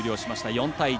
４対１。